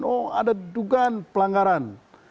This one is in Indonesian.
mau ada dugaan pelanggaran